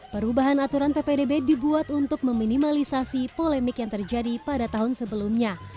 perubahan aturan ppdb dibuat untuk meminimalisasi polemik yang terjadi pada tahun sebelumnya